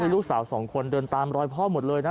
แล้วลูกสาว๒คนเดินตามรอยพ่อหมดเลยนะ